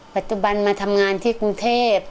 ปัจจุบันมาทำงานที่กรุงเทพ